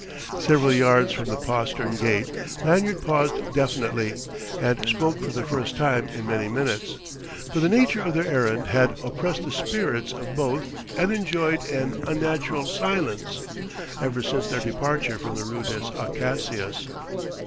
Several yards from the postern gate, Lanyard paused definitely, and spoke for the first time in many minutes; for the nature of their errand had oppressed the spirits of both and enjoined an unnatural silence, ever since their departure from the rue des Acacias.